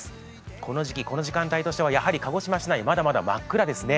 この時期、この時間帯としては鹿児島市内、まだ真っ暗ですね。